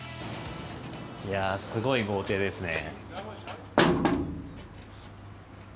いやあすごい豪邸ですね。